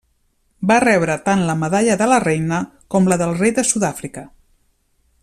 Va rebre tant la Medalla de la Reina com la del Rei de Sud-àfrica.